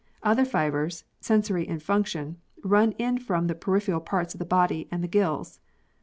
Other fibres, sensory in function, run in from the peripheral parts of the body and the gills.